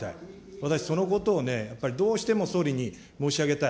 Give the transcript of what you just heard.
私そのことをね、やっぱりどうしても総理に申し上げたい。